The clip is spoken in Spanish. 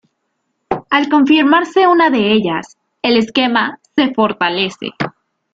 Al confirmarse una de ellas, el esquema se fortalece.